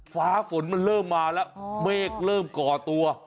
ฟ้าฝนมันเริ่มมาแล้วเมฆเริ่มก่อตัว